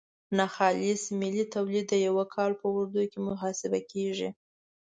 ناخالص ملي تولید د یو کال په اوږدو کې محاسبه کیږي.